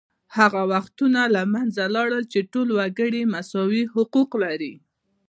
هغه وختونه له منځه لاړل چې ټول وګړي مساوي حقوق لري